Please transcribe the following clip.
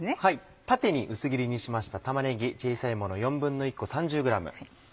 縦に薄切りにしました玉ねぎ小さいもの１／４個３０ｇ。